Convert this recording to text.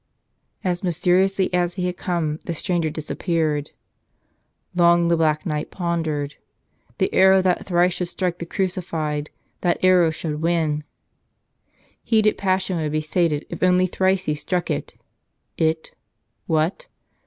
As mysteriously as he had come the stranger dis¬ appeared. Long the Black Knight pondered. The arrow that thrice should strike the Crucified, that arrow should win. Heated passion would be sated if only thrice he struck it. It? What?